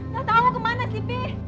gak tau kemana sih bi